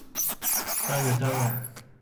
เจ้ายศเจ้าอย่าง